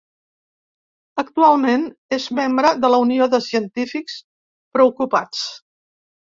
Actualment, és membre de la Unió de Científics Preocupats.